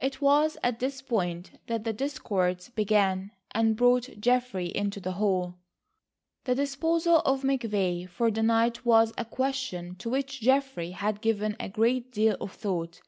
It was at this point that the discords began, and brought Geoffrey into the hall. The disposal of McVay for the night was a question to which Geoffrey had given a great deal of thought.